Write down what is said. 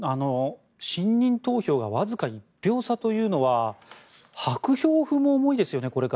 信任投票がわずか１票差というのは薄氷を踏むことも多いですよね。